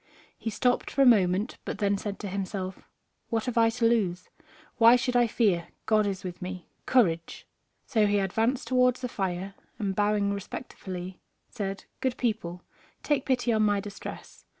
He stopped for a moment, but then said to himself, "What have I to lose? Why should I fear? God is with me. Courage!" So he advanced towards the fire, and bowing respectfully, said: "Good people, take pity on my distress.